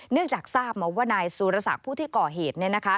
จากทราบมาว่านายสุรศักดิ์ผู้ที่ก่อเหตุ